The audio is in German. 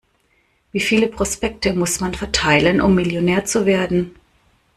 Wie viele Prospekte muss man verteilen, um Millionär zu werden?